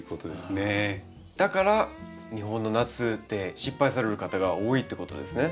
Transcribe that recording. だから日本の夏で失敗される方が多いってことですね。